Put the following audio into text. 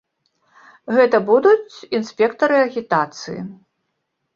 Гэта будуць інспектары агітацыі.